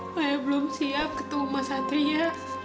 maya belum siap ketemu mas satri ya